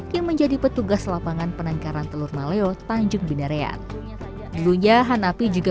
yang menjadi petugas lapangan penangkaran telur maleo tanjung binarean dulunya hanapi juga